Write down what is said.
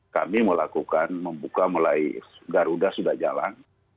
kami melakukan membuka mulai garuda sudah jalan